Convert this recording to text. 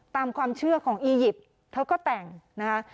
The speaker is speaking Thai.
ตามความเชื่อของอียิปต์เธอก็แต่งนะคะ